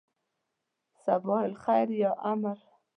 صباح الخیر یا امیر.